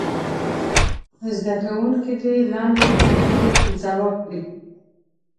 زده کوونکي دې لاندې پوښتنې ځواب کړي.